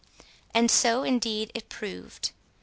And so indeed it proved.